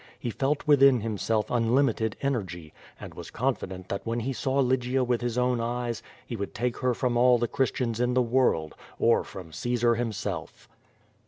He felt within himself unlimited energy, and was confident that when QUO VADI8. 149 he saw Lygia with his own eyes, he would take her from all the Christians in the world, or from Caesar himself.